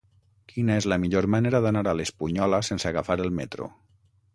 Quina és la millor manera d'anar a l'Espunyola sense agafar el metro?